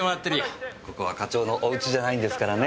ここは課長のお家じゃないんですからね。